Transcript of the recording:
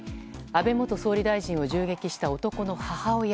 安倍元総理大臣を銃撃した男の母親。